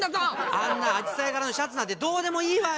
あんなアジサイがらのシャツなんてどうでもいいわよ！